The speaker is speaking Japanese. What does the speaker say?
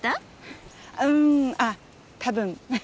うんあっ多分。